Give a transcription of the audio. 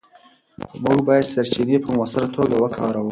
موږ باید سرچینې په مؤثره توګه وکاروو.